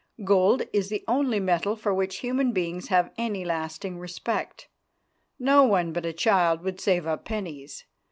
Gold is the only metal for which human beings have any lasting respect. No one but a child would save up pennies.